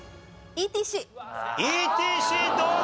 ＥＴＣどうだ？